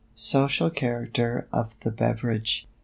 SOCIAL CHARACTER OF THE BEVERAGE.